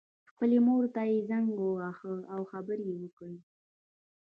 خپلې مور ته یې زنګ وواهه او خبرې یې وکړې